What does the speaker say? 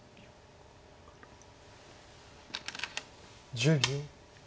１０秒。